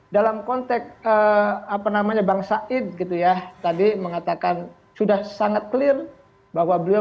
dalam konteks apa namanya bang said gitu ya tadi mengatakan sudah sangat clear bahwa beliau